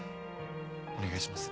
お願いします。